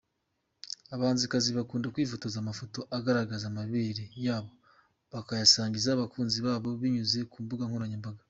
Abahanzikazi bakunda kwifotoza amafoto agaragaza amabere yabo bakayasangiza abakunzi babo binyuze ku mbuga nkoranyambaga.